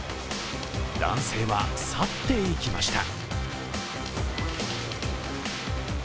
男性は去っていきました。